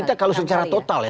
kita kalau secara total ya